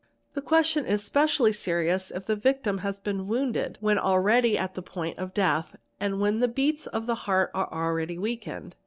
The question is specially serious if the victim has been wounded when already at the point of death and when the beats of the heart are already weakened.